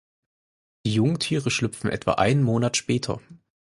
Die Jungtiere schlüpfen etwa einen Monat später.